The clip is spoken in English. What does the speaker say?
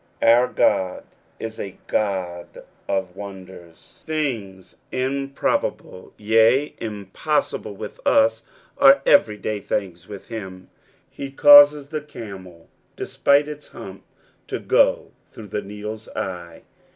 Our God is a God of wonders. The Rule Without Exception. 89 Things improbable, yea, impossible, with us, are every day things with him. He causes the camel, despite its hump, to go through the needle's eye.